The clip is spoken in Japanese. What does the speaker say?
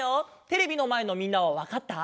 テレビのまえのみんなはわかった？